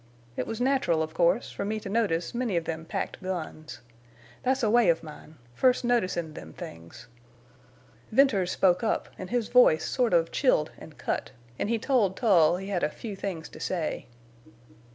It was natural, of course, for me to notice many of them packed guns. That's a way of mine, first noticin' them things. Venters spoke up, an' his voice sort of chilled an' cut, en' he told Tull he had a few things to say."